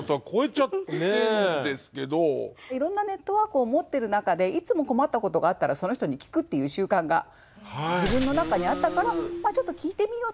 いろんなネットワークを持ってる中でいつも困ったことがあったらその人に聞くっていう習慣が自分の中にあったからまあちょっと聞いてみようと。